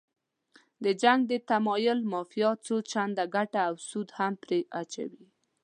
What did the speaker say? د جنګ د تمویل مافیا څو چنده ګټه او سود هم پرې اچوي.